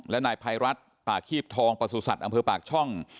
และนายภัยรัฐปากขีบทองปสุศัตริย์อำเภอปากช่อง